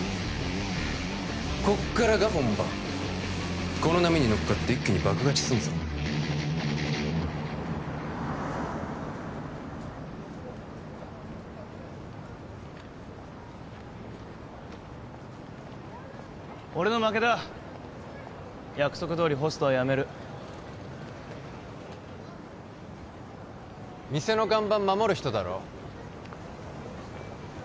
こっからが本番この波に乗っかって一気に爆勝ちすんぞ俺の負けだ約束どおりホストはやめる店の看板守る人だろ？